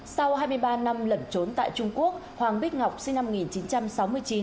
sau hai mươi ba năm lẩn trốn tại trung quốc hoàng bích ngọc sinh năm một nghìn chín trăm sáu mươi chín